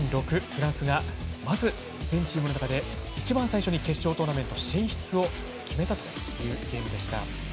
フランスがまず全チームの中で一番最初に決勝トーナメント進出を決めたというゲームでした。